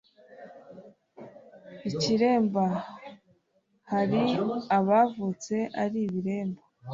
Ikiremba hari abavutse ari ibiremba